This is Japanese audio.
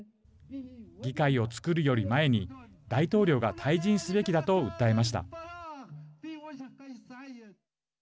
議会をつくるより前に大統領が退陣すべきだと訴えました。